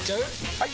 ・はい！